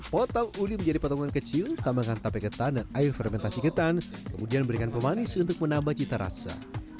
potong uni menjadi potongan kecil tambahkan tape ketan dan air fermentasi ketan kemudian berikan pemanis untuk menambah cita rasa